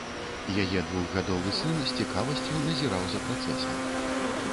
Яе двухгадовы сын з цікавасцю назіраў за працэсам.